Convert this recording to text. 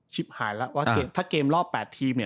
ชิบหายแล้วว่าถ้าเกมรอบ๘ทีม